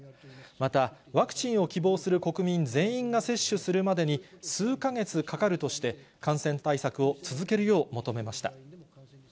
また、ワクチンを希望する国民全員が接種するまでに数か月かかるとして、感染対策を続けるよう求めました。